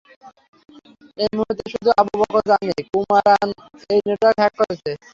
এই মুহুর্তে, শুধু আবু বকর জানে কুমারান এই নেটওয়ার্ক হ্যাক করেছে।